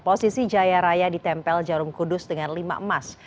posisi jaya raya ditempel jarum kudus dengan lima emas